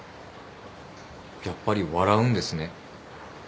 やっぱり笑うんですね。